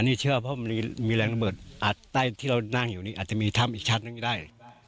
นี่เชื่อเพราะมันมีแรงระเบิดอาจใต้ที่เรานั่งอยู่นี่อาจจะมีถ้ำอีกชั้นหนึ่งก็ได้